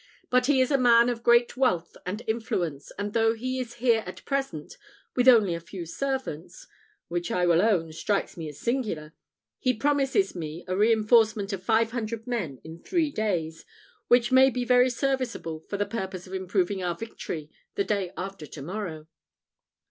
"But he is a man of great wealth and influence, and though he is here at present with only a few servants which I will own strikes me as singular he promises me a reinforcement of five hundred men in three days, which may be very serviceable for the purpose of improving our victory the day after to morrow.